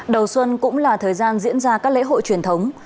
đầu xuân cũng là thời gian diễn ra các lễ hội truyền thống